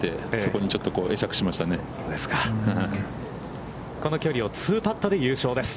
この距離を２パットで優勝です。